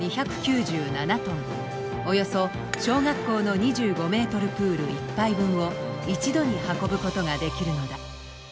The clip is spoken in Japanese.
およそ小学校の２５ｍプール１杯分を一度に運ぶことができるのだ。